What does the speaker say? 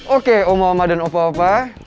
oke oma oma dan opa opa